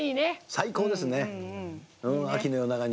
最高ですね、秋の夜長に。